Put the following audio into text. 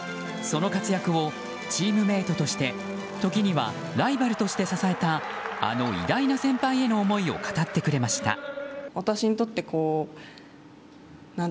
その活躍をチームメートとして時にはライバルとして支えたあの偉大な先輩への思いを語ってくれました。